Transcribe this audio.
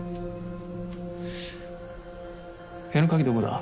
部屋の鍵どこだ？